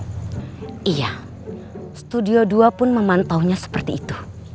iya studio dua pun memantaunya seperti itu